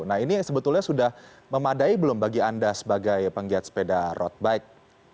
nah ini sebetulnya sudah memadai belum bagi anda sebagai penggiat sepeda road bike